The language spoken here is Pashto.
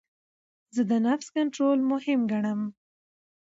زه د نفس کنټرول مهم ګڼم.